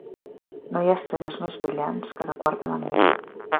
No hi ha estrelles més brillants que de quarta magnitud.